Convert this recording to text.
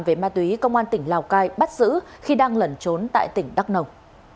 về ma túy công an tỉnh lào cai bắt giữ khi đang lẩn trốn tại tỉnh đắk nông